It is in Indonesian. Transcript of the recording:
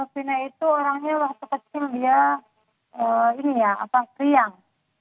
fina itu orangnya waktu kecil dia ini ya kriang